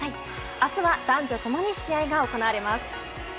明日は男女共に試合が行われます。